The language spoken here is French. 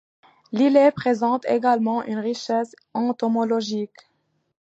L'îlet présente également une richesse entomologique.